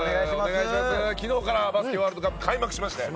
昨日からバスケワールドカップ開幕しまして。